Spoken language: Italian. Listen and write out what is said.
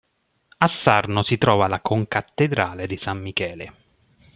A Sarno si trova la concattedrale di San Michele.